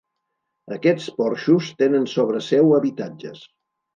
Aquests porxos tenen sobre seu habitatges.